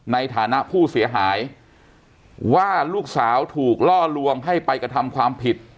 ในฐานะผู้เสียหายว่าลูกสาวถูกล่อลวงให้ไปกระทำความผิด